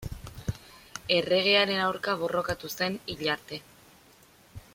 Erregearen aurka borrokatu zen hil arte.